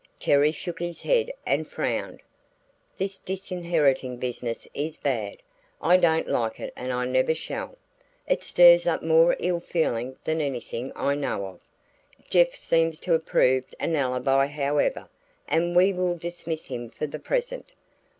Terry shook his head and frowned. "This disinheriting business is bad. I don't like it and I never shall. It stirs up more ill feeling than anything I know of. Jeff seems to have proved an alibi, however, and we will dismiss him for the present."